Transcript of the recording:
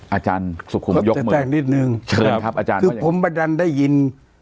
อาจารย์สุขุมยกมือแทรกนิดนึงเชิญครับอาจารย์คือผมไปดันได้ยิน